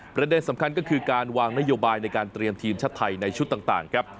ประเด็นสำคัญก็คือการวางนโยบายในการเตรียมทีมชาติไทยในชุดต่างครับ